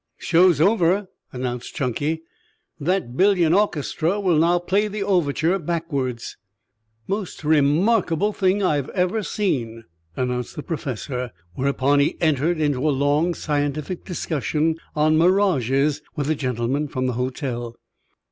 "Show's over," announced Chunky. "That billion orchestra will now play the overture backwards." "Most remarkable thing I've ever seen," announced the Professor, whereupon he entered into a long scientific discussion on mirages with the gentlemen from the hotel.